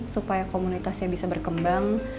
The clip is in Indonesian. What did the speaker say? supaya komunitasnya bisa berkembang